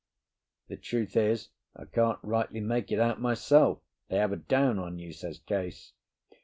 "The truth is I can't rightly make it out myself. They have a down on you," says Case.